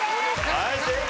はい正解！